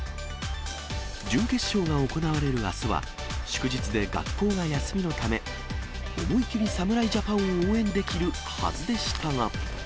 準決勝が行われるあすは、祝日で学校が休みのため、思い切り侍ジャパンを応援できるはずでしたが。